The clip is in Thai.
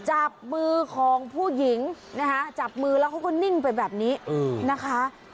จับมือของผู้หญิงนะคะจับมือแล้วเขาก็นิ่งไปแบบนี้นะคะ